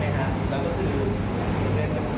แต่ผมก็อยู่ในกลุ่มเป็นผู้เสียหายได้